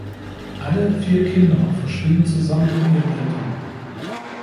Alle vier Kinder verschwinden zusammen mit ihren Eltern.